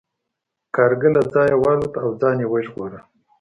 کارغه له ځایه والوت او ځان یې وژغوره.